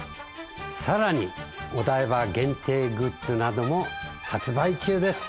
さらにお台場限定グッズなども発売中です！